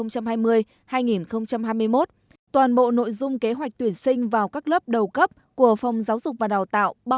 từ ngày một bảy toàn bộ nội dung kế hoạch tuyển sinh vào các lớp đầu cấp của phòng giáo dục và đào tạo